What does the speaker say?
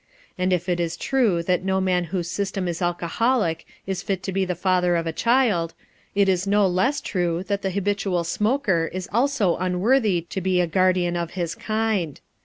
And if it is true that no man whose system is alcoholic is fit to be the father of a child, it is no less true that the habitual smoker is also unworthy to be a guardian of his kind.